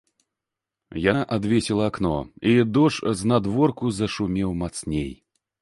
Яна адвесіла акно, і дождж знадворку зашумеў мацней.